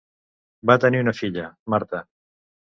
Va tenir una filla, Marta.